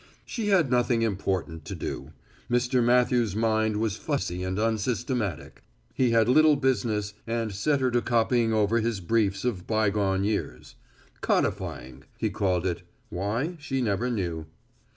She had nothing important to do. Mr. Matthews' mind was fussy and unsystematic. He had little business and set her to copying over his briefs of bygone years. "Codifying," he called it; why she never knew.